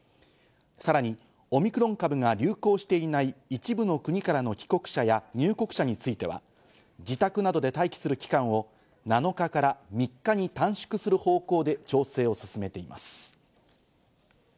さらにオミクロン株が流行していない一部の国からの帰国者や入国者については、自宅などで待機する期間を７日から３日に短縮する方向で調整を進めています。